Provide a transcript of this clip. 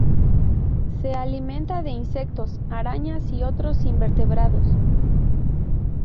Se alimenta de insectos, arañas y otros invertebrados.